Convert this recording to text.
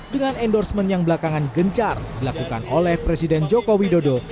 dengan endorsement yang belakangan gencar dilakukan oleh presiden joko widodo